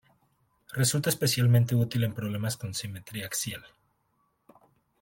Resulta especialmente útil en problemas con simetría axial.